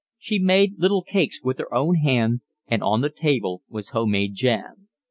She had made little cakes with her own hand, and on the table was home made jam.